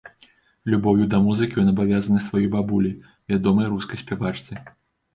Любоўю да музыкі ён абавязаны сваёй бабулі, вядомай рускай спявачцы.